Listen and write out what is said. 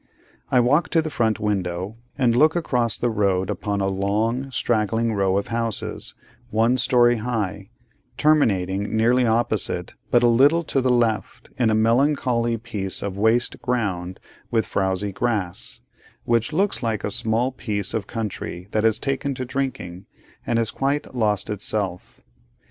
I walk to the front window, and look across the road upon a long, straggling row of houses, one story high, terminating, nearly opposite, but a little to the left, in a melancholy piece of waste ground with frowzy grass, which looks like a small piece of country that has taken to drinking, and has quite lost itself.